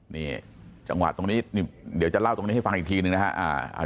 นี่จังหวะตรงนี้เดี๋ยวจะเล่าตรงนี้ให้ฟังอีกทีหนึ่งนะครับ